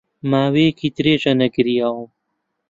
ماوەیەکی درێژە نەگریاوم.